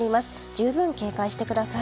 十分警戒してください。